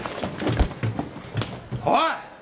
おい！